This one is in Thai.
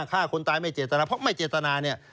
ฆ่าคนตายไม่เจตนาเพราะไม่เจตนาเนี่ย